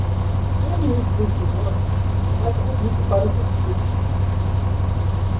Um ambiente silencioso é mais propício para os estudos.